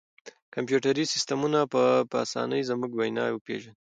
کمپیوټري سیسټمونه به په اسانۍ زموږ وینا وپېژني.